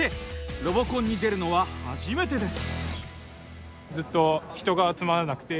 ロボコンに出るのは初めてです。